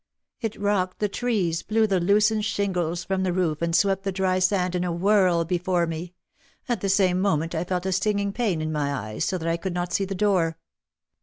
It rocked the trees, blew the loosened shingles from the roof, and swept the dry sand in a whirl before me. At the same moment I felt a stinging pain in my eyes so that I could not see the door.